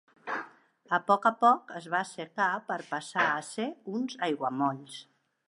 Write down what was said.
A poc a poc es va assecar per passar a ser uns aiguamolls.